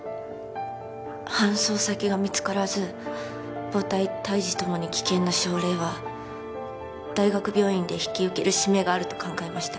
搬送先が見つからず母体胎児ともに危険な症例は大学病院で引き受ける使命があると考えました。